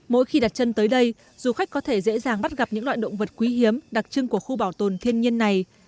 mỗi khi đặt chân tới đây du khách có thể dễ dàng bắt gặp những loại động vật quý hiếm đặc trưng của khu bảo tồn thiên nhiên này